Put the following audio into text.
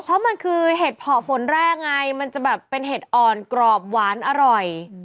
เพราะมันคือเห็ดเพาะฝนแรกไงมันจะแบบเป็นเห็ดอ่อนกรอบหวานอร่อย